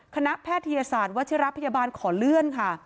แพทยศาสตร์วัชิระพยาบาลขอเลื่อนค่ะ